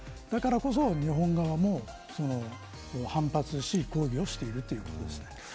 だからこそ日本側も反発し、抗議しているということです。